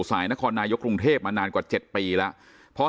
สายนครนายศกรุงเทพมานานกว่า๗ปีแล้ว